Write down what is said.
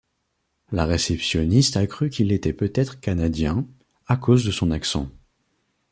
La réceptionniste a cru qu'il était peut-être Canadien, à cause de son accent.